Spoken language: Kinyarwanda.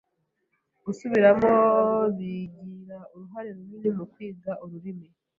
Gusubiramo bigira uruhare runini mukwiga ururimi.